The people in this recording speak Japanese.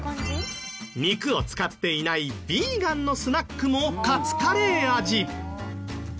肉を使っていないヴィーガンのスナックもカツカレー味。